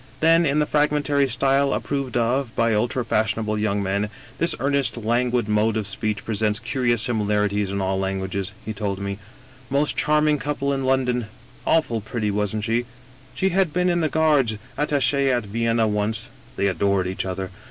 Then, in the fragmentary style approved of by ultra fash 136 Egerton Castle ionable young men — ^this earnest languid mode of speech presents curious similarities in all languages — ^he told me: * Most charming couple in London — ^awfully pretty, wasn't she? — ^he had been in the Guards — ^attache at Vienna once — ^they adored each other.